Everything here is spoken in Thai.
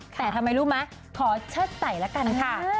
แต่ทำไมรู้มั้ยขอเชิดใส่ละกันค่ะ